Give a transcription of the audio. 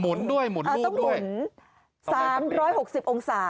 หมุนด้วยหมุนรูปด้วยต้องหมุน๓๖๐องศา